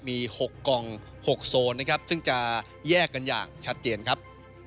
มี๖กล่อง๖โซนนะครับซึ่งจะแยกกันอย่างชัดเจนครับ